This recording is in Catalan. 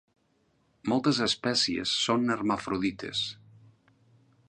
Moltes espècies són hermafrodites.